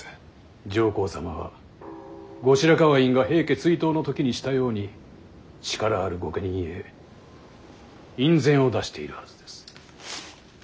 上皇様は後白河院が平家追討の時にしたように力ある御家人へ院宣を出しているはずです。